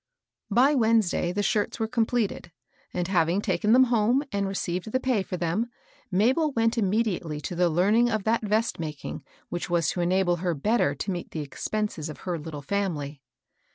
By Wednesday the shirts were completed ; and having taken them home and received the pay for them, Mabel went immediately to the learning of that vest making which was to enable her better to meet the expenses of her litde family.